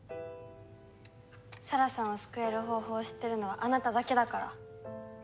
沙羅さんを救える方法を知ってるのはあなただけだから。